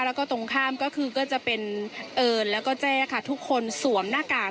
แล้วก็ตรงข้ามก็คือก็จะเป็นเอิญแล้วก็แจ้ค่ะทุกคนสวมหน้ากาก